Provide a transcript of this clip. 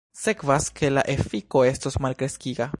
Sekvas ke la efiko estos malkreskiga.